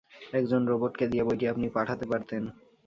একজন রোবটকে দিয়ে বইটি আপনি পাঠাতে পারতেন।